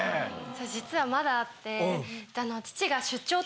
実はまだあって。